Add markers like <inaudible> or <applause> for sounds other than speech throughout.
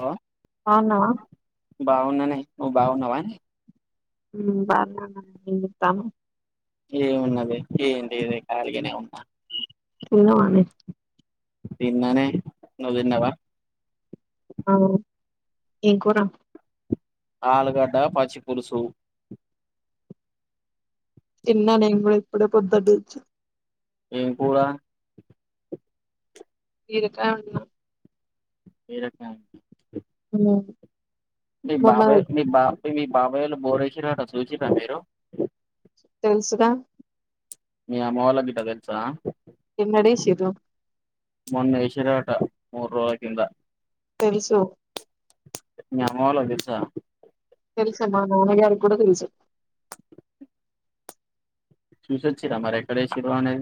Hello బాగున్నానే నువ్వు బాగున్నావా ఉమ్ బాగున్నా అన్ని ఎంచేత్తన్నవ్ ఏమున్నది ఏం లేదే కాళీ గానే ఉన్నా ఎలా ఉన్నావ్ <unintelligible> తిన్ననే నువు తిన్నావా అవ్ ఏం కూర ఆలుగడ్డ పచ్చిపులుసు తిన్న నేను కూడా ఇప్పుడే పోద్ధున్నుంచి ఏం కూర బీరకాయ వండిన బీరకాయ ఉమ్ మీ బాబాయ్య మీబాబ మీ బాబాయ్య వొళ్లు బోరేసిండంట చూసిండ్ర మీరు తెలుసుగా మీ అమ్మ వాళ్ళ కి గిట్ట తెలుసా మొన్న వేసీండ్రంట ముడురోజులకింద తెలుసు మీ అమ్మ వాళ్ళు కు తెలుసా తెలుసు మా మమ్మీ డాడీ కి వాళ్ళుకు తెలుసు చూసుచ్చరా మరి ఎక్కడే శిరు అనే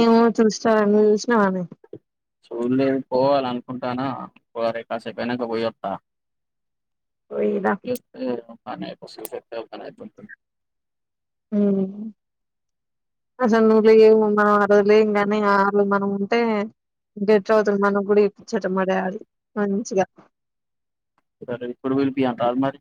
మేమో చూసి నామ్ నువు చూసినావ ఊర్ళ పోవాల అనుకుంటానా కాసేపు అయినక పోయొస్తా వాస్తూనే పని అయిపోతది చూసి వస్తె ఓ పని అయిపోతది ఉమ్ అసలు నువ్వు లేవు ఏ మనం ఆ రోజు మనం లేము కానీ ఆ రోజు మనం ఉంటే గెట్ రాత్ మనకు కూడా చేప్పిచేటోడు మా డాడీ మంచిగా సరే ఇప్పుడు పిలిపి అనురాదు మరి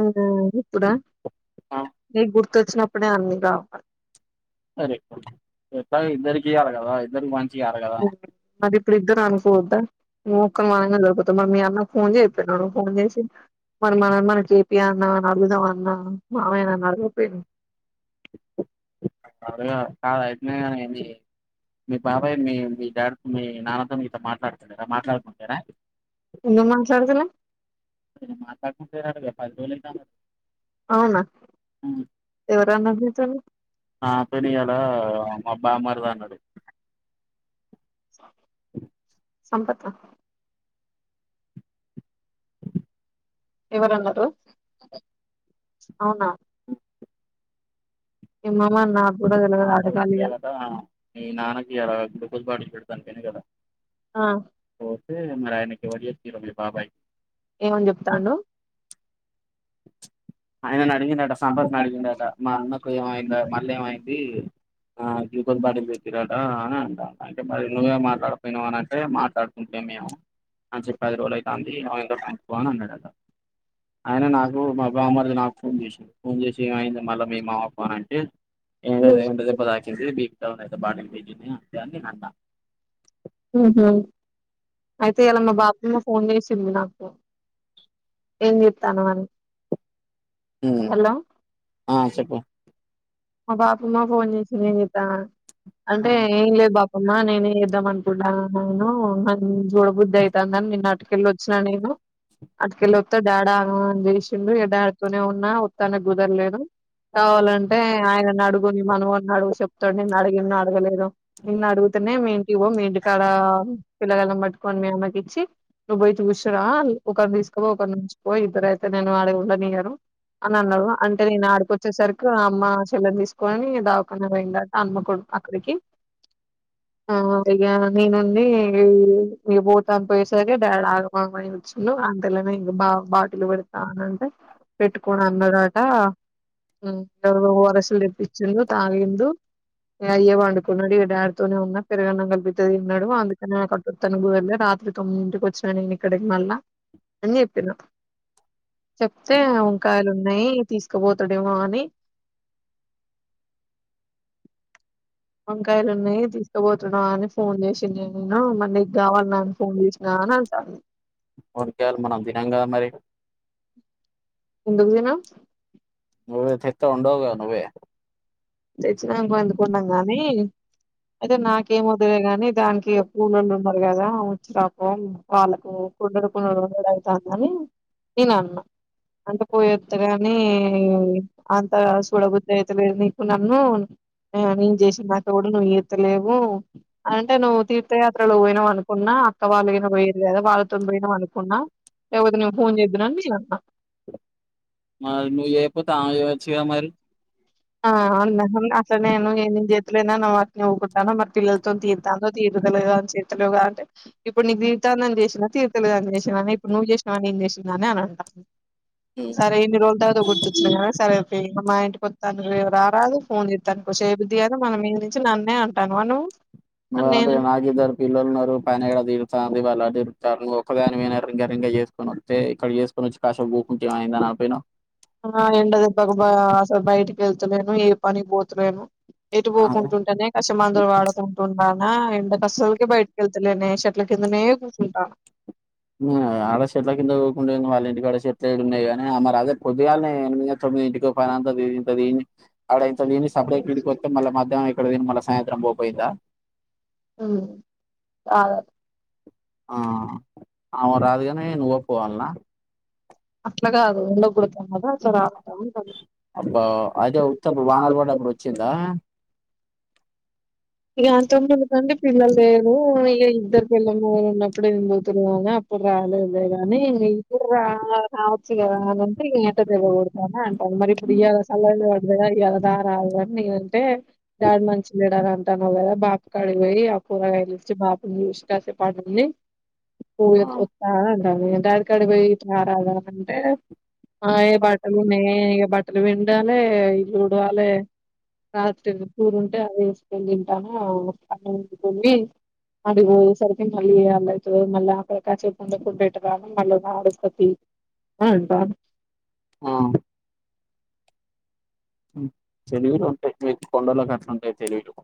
ఎమ్ అదా ఇపుడా నీకు గుర్తుచ్చినప్పు సరే ఎట్ల ఇద్దరుకి ఈయాలి కదా ఇద్దరు పంచియాల కదా ఇప్పుడుద్దరు అనుకోవద్దా నువుక్కని మనగా లేకపోతే మమ్మ మీ అన్న ఫోన్ చేయిపోయినాడు ఫోన్ చేసి మరి మనది మనకు చెపి అన్న అడుగుదాం అన్న మామయన్న అడగకపోయినవు అడగ కాదా ఎట్లైనా అనే మీ బాబాయ్ మీ మీ డాడి మీ నాన్నతోని గిట్ల మాట్లాడతలేరా మాట్లాడుకుంటాలేరా మాట్లాడుకుంటలేరట కదా పది రోళు అయితోందట అవునా ఎవరన్నరూ నీతోనీ నాతోనీ ఈయాల మా బామ్మర్దిదాన్నాడు స సంపత్ ఆ ఎవరన్నారు అవునా ఏమ్మో మరి నా మాట వింటే నే కదా మీ నాన్నకి ఇవాళ గ్లూకోస్ బాటిల్ పెడుతంటనే కదా ఆ అయితే మరి ఆయనకు ఎవరు చెప్పిల్లో మీ బాబాయికి ఏమని చెప్తాండు ఆయన నా అడిగిందట సంపదను అడిగిందట మా అన్నకు ఏమైందా మళ్ళ ఏమైంది ఆ గ్లూకోజ్ బాటిల్ పెట్టిల్లు అంటా అని అంటాడు అంటే నువ్వే మాట్లాడపోయినాం అని అ మాట్లాడుకుంటే మేము అని చెప్పి పది రోజు అతుంది అన్నాడట ఆయన నాకు మా బామ్మారితో నాకు ఫోన్ చేసిడు ఫోన్ చేసి ఏమయింది మళ్ళా మీ మామకి అని అంటే ఏం లేదు ఎండ దెబ్బ తాకింది బిపి డౌన్ అయితే బాటిల్ పెట్టిల్లు అంతే అని నేను అన్న ఆహా అయితే ఇయాలా మా బాపమ్మ ఫోన్ చేసింది నాకు ఏం చేతనవు అని ఉమ్ ఆ చెప్పు మా బాపమ్మ ఫోన్ చేసింది నేను చెత అంటే ఏం లేదు బాప అమ్మా నేనే వద్దాం అనుకుంటన్నా నాకు చూడబుద్ధి అవుతుందని నిన్న అటుకెళ్ళి వచ్చినా నేను అటుకెళ్ళొస్తా డాడి ఆగమాగం చేసిండు డాడితోనే ఉన్నా వొత్తానికి కుదరలేదు కావాలంటే ఆయనను అడుగు మీ మనుమని అడుగు చెప్తాడు నిన్న అడిగింనో అడగలేదో ఇన్న అడుగుతునే మేంటి ఇవో మీ ఇంటికాడ పిలగలను పట్టుకొని మేమ్మకిచ్చ నువ్ పోయి చూసిరా ఒకరిని తీసుకోబో ఒక ను పోయి ఇద్దర అయితే నేను ఆడ ఉండనియను అని అన్నారు అంటే నేను ఆడికొచ్చేసరికి అమ్మ చెల్లలు తీసుకొని దావకనా పోయిందట అమ్మకుడు అక్కడికి ఆ అయ్యా నేనుడి భూటానికి పోయేసరికి డా ఆగమామ అని వచ్చుం అంతలానే ఇం బా బాటిలు పెడతా అంటే పెట్టుకని అన్నట ఎవ వర ప్పించిడు తాగిందు ఏ అయ్య వండుకున్నాడు ఈ డాడ్తోనే ఉన్నా పరుగణ కలిపితదిడు అందుక కొతనుగు వెళ రాత్రి తొమ్మిదింటికి వచ్చినా నేను ఇక్కడికి మళ్ళా అని చెప్పినా చెప్తే వంకాయలు ఉన్నాయి తీసుకుపోతాడేమో అని వంకాయలు ఉన్నాయి తీసుకుపోతున్నా అని ఫోన్ చేసి నే నేను మరికు కావాలిన్నాని ఫోన్ చేసినా అని అని ఉకాలి మనం దినంగా మరి ఎందుకు జనా నువ్వే చెతం ఉండగా నువ్వ తెచ్చినాక ఎందుకున్నాం గానీ అయితే నాకేం వదిలే గాని దానికి పూలలుు ఉన్నారు కదాచ్చ వాళ్ళకు కుండడు కుండడుండడు అవుతాందని నేను అన్నా అంత పోయొదు కాని అంత సూడబుద్ధి అయితలేదు నీకు నన్ను ఆ నేను చేసిన నాకు కూడాడు నువ్వు ఈతలేవు అంటే నువ్వు తీర్థయాత్రలో పోయినావ అకున్నా అక్క వాళ్ళునా పోయరు కదా వాళ్ళతో పోయినావు అనుకున్నా లేకపోతే నేను ఫోన్ చేద్దన్నాం న మరి నువ్వు అయిపోతా చ్చిగా మరి ఆ అ అసనేేను ఏన్ జతులనా నవమత్నిగుంటా మ పిల్లలతో తీర్థా తీరుతలుగా చేతలుగా అంటే ఇప్పుడు నీ తీర్తాం చేసినా తీ తెలుదుని చేసినాని ఇప్పుడు నువ్వు చేసినావని ఏం చేసిందాని అంటాను సరే ఎన్నిోుల తవాత గుర్తుచ్చు కదా సరే మా ఇంటి పొత్త తనకు రారదు ఫోన్ చేస్తానుకోసేపు తీియాలి మనం ఏ నుంచి నన్నే అంటాను అ ను్వు ారు పిలల్వరు పైనది ఇతవ దిరుతారు ఒకదానిన రింగ రంగ చేసుకొని వస్తే ఇక్కడ చేసుకని వచ్చి కాషా ఊకుంటేం ఆయనందానిపై వెళ్తులేను ఏ పని పోతులేను ఎటు పోకుంటుంటేనే క మందులు వాడుకుంటుంటానా ఎండక అస్సలకి బయటకి వెళ్తలేనే చెట్ల కిందనే కూర్చుంటాను ఆడట్లకి ఎ వాల చెట్ల ఉన్నాయి కాగానీ మరి అదే పద్దిగాని ఎనిమిది వల తొమ్మిది ఇంటికి ఫైనాంత దీన్ని అక్కడ ఇంత దని సపరేట్ ఇడికిొస్త మళ్ళ మధ్యాహ్నం ఇక్కడ విని మళ్ళా సాయంత్రం పోపోయిందా ఆ అవును రాదుగానే నువ్్వ పోవాలన్నా అట్లాగా అదు ఎండ కుడతాం కదా అసలు రాగుతాంంట బంద ఇక తొమ్ముందు కంటడి పిల్లలు లేరు ఇక ఇద్దరు పిల్లమరు ఉన్నప్పుడుే పోతురువా ాల అదేగాని ఇంక ఇప్పుడు రావచ్చు కాదంటే ఇ ఏంట దేవ కొడతాను అంట అది మరి ఇప్పుడు సల్ల వాద అ తార అ అే డాడీ మంచి లేడ అంటాను కదా బాపకి అడిగియి ఆ కూరగాయలిచ్చి బాప ష్ట టినిస్తా అంట దా కడి పోయి త రాగాంటే ఆ ఏ బట్టలు న బట్టలు విడిాల చూడ అాలే రాత్రి ూరు ఉంటే అది స్పెండ్ తింటాను అంట పో సరి మళ్ళీ అల్ అవుతుంది మళ్ళీ అక్కడ కా చె పంద ఫ పెెట్ రాాల మళ్ళ ఆడుకతి అవుంటా ఆ తెలుగులో ఉంటాయి మీ కొండల కట్లుంటాయి తెలుగులో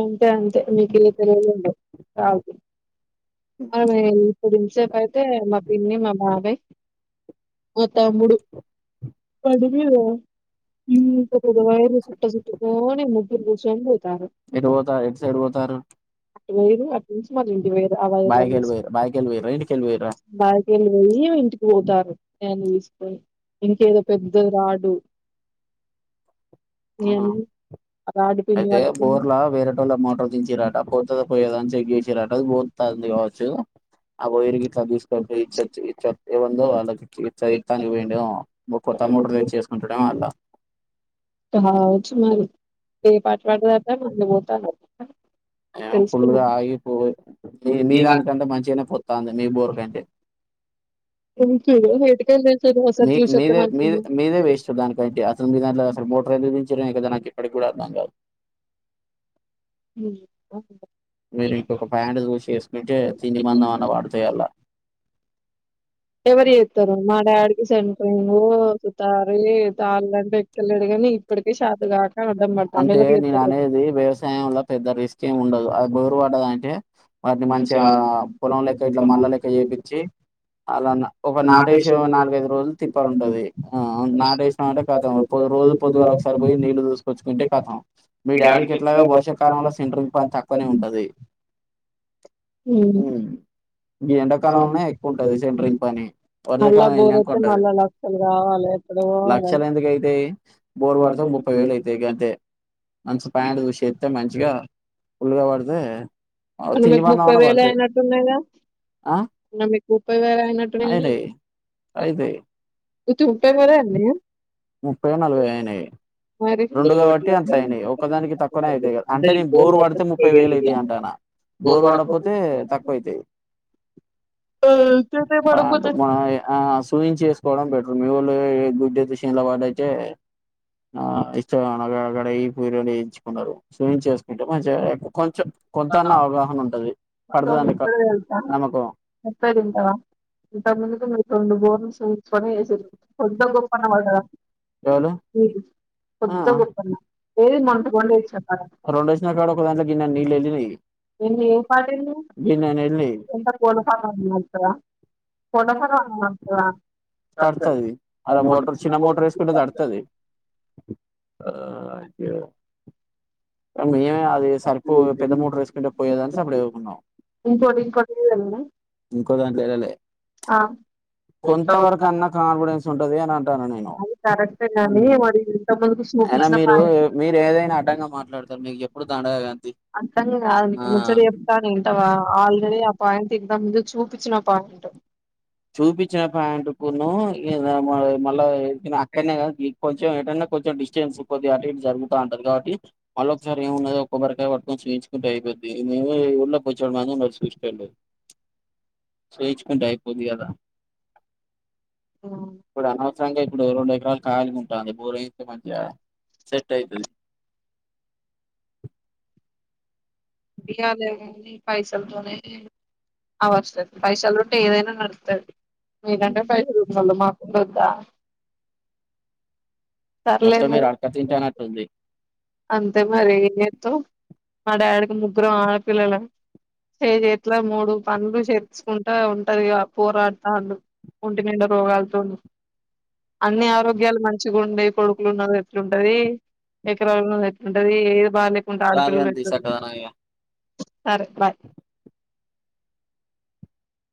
అంతే అంతే మీకు ఇ తెలిదుదు కాదు మ ఇప్పుడు ఇసేపు అయితే మా పిన్ని మా బాబాయ్ పోత్త ముడు బండిమీద కొ వైరు సుట్ట సట్ పోనే ముగ్గురుకు చబూతారు ఎటు పోతారు ఎటు సైడ్ పోతారు ఇ వే అవలాసు బయకిేళ్ళ వెయ్యి ఇంటికి పోతారు నేను తీసుకొని ఇంకేదో పెద్ద రాడు అదే బోర్లా వేరేటోళ్ళ మోటర్ దించరాట పోతుంది పోయేదో అని చెక్ చేసిరట పోతుంది కావచ్చు ఆ వయిరుకి ఇట్లా తీసుకొ ఇచ్చ ఇ ఏ ఉందో వాళ్ళకి ఇానికి వే కొత్త మోటర్ తెచ్చేసుకుంటడం అల్ల హాచ్చు మరి ఏ పాఠవాట జా మ పో ఫుల్ గా ఆగిపో మీ దానికంటే మంచిగానే పొత్తాంది మీ బోర్ కంటే మీ మీదే మీదే మీదే వేస్ట్ దానికంటంటి అసలు మీ దాంట్లో అసలు మ ఎందుకు దించిండ్రో ఏంకాత నాకు ఎప్పటికైకూడా అర్థం కాదు మీరు ఇంకొక ప్యాంట్ దూసి చేసుకుంటే తిడి మందం అన్న వాడతాయళ్లా ఎవరి ఇతారు మా ్యాడ్కి సెంట్రింగ్ సుతార తాళ్లంటే అంటే నేను అనేది వ్యవసాయం వల్ల పెద్ద రిస్క్ ఏమి ఉండదు అది రు అంటే వాటిని మంచి పొలం లెక్క ఇ మల్ల లెక్క చేయిించ ఒక నాటేషం నాలుగైదు రోజులు తిప్పాలుంటది నాటేసం అంటే కం రోజు పొద్దు ళ ఒకసారి పోయి నీళ్ు చూసుకొచ్చుంటే కం మీ డాడీకి ఎట్లాగా వర్షకాలంె పక్కు పని ఉండది అ గెండాకాలంంలోనే ఎక్కువ ఉంటది సెంట్రిల్ పని వరజ కాలం వెళినా ఉంటది లక్షల ఎందుకు అయితాయి బోరు వాడత ముప్పై వేలు అయితాయి ఇక అంతే మంచి పా్యాంట్ చూసిేస్తే మంచిగా లుగా పడితే తిండి బందామన్నా పడుత మీకు ముప్పైవేలు అయినట్టు ఉందిగా ఉత్తి ముప్పైవేలు అని ముప్పై నలభై అయినవి రెండు కాబట్టి అట్ల అయినాయి ఒకదానికి తక్కువనే అవుతాయి కదా అంటే నేను బోరు పడితే ముప్పై వేలు అవుతాయి అంటానా బోరు వాడకపోతే తక్కువ అైతాయి అ మనం ఆ సూయిచేసుకోవడం బెటరు మీవోల్లు గుడ్డెసీల వాడ అయితే ఆ ఇష్టంన అక్కడ ఈ పూరు స్విమింగ్ చేసుకుంటే మంచిగా కొంచెం కొంతన్న అవగాహన ఉంటది పడుతుదా నమకు ఇంత ముందుకు మీరు రెండు బోర్న్లు చూచొని చేస కొంత గొప్పన వాడ కొంత గొప్పన్నా రెండేసి నా కాడ ఒక దాంట్లో గిన్నెని నీళ్లు ఎల్లినాయ్ నను ఏం పాటిని ఎంత కోల్పో మా కొండసార వామతు తడుతుది అలా మోటర్ చిన్న మోటర్ వేసుకుంటే తడుతుది ఆ అక మేమే అది సరుపు పెద్ద మోటార్ వేసుకుంటే పోయేదాని సప్పుడుచేయక ఉన్నాం ఇంకోటి ఇంకోటి ఇ ఇంకోదంట్లే ఎల్లే ఆ అది కరెక్టే గాని మరి ఇంత మంది అయినా మీరు మీరు ఏదైనా అడ్డంగా మాట్లాడతారు మీకు చెప్పుడు దండగా గ అట్టానిగాద్ నిక్ ముచ్చట చెప్పుతా ఇంటవా ఆల్రెడి ఆ పాయింట్ నా ముందు చూపించిన పాయింట్ చూపించిన ప్యాంటుకును ఇద మళ్ళ అక్కడనే కాదు కొంచెం ఏంటన్నా కొంచెం డిస్టెన్స్ కొద్ది అటు ఇటు జరుగుతా ఉంటది కాబట్టి, మళ్ళో ఒకసారి ఏమున్నది ఓ కోబ్బరికాయ కొట్టి చూయిుకుంటే ఐపో <unintelligible> చూయించుకుంటే అయిపోద్ధి కదా ఊ ఇప్పుడు రెండు ఎకరాలు కాలిగా ఉంటాంది బోరయితే మంచిగా సెట్ అయితది ఇయాల పైసైల్ తోనే అవసరం పైసలు ఉంటే ఏదైనా నడుత్తాది మీకంటే ఫైసలున్నాయ్ మాకుండద్ద మొత్తం మీరు ఆడక్కత్తింటనట్టుంది అంతే మరి ఏం చెత్తం మా డాడీకి ముగ్గురం ఆడపిల్లలం చే చేేట్ల మూడు పంలు చేర్చుకుంటా ఉంటారు ఇగ పోరాడతాండు ఒంటి నిండా రోగాలతోని అన్ని ఆరోగ్యాలు మంచిగా ఉండే కొడుకులు ఉన్నది ఎట్లుంటది. ఎకరాలు ఉన్న ఎట్లుం ఏబాదాలేకుంటే ఆడపిల్లలు ఏ సరే బాయ్